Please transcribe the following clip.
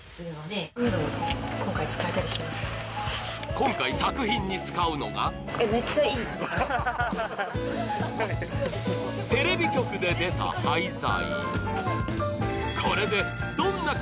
今回作品に使うのがテレビ局で出た廃材。